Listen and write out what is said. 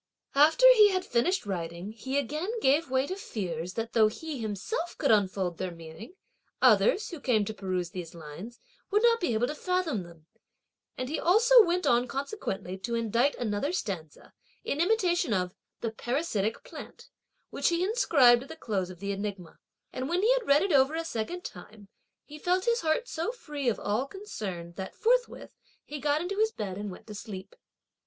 After he had finished writing, he again gave way to fears that though he himself could unfold their meaning, others, who came to peruse these lines, would not be able to fathom them, and he also went on consequently to indite another stanza, in imitation of the "Parasitic Plant," which he inscribed at the close of the enigma; and when he had read it over a second time, he felt his heart so free of all concern that forthwith he got into his bed, and went to sleep.